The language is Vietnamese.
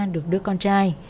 được đưa con trai